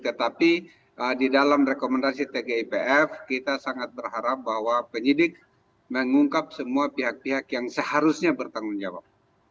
tetapi di dalam rekomendasi tgipf kita sangat berharap bahwa penyidik mengungkap semua pihak pihak yang seharusnya bertanggung jawab